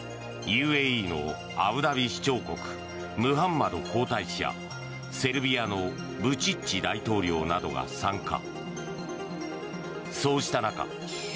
ＵＡＥのアブダビ首長国ムハンマド皇太子やセルビアのブチッチ大統領などが参加。